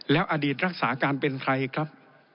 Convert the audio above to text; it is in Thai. แล้วอดีตรักษาการเป็นใครครับ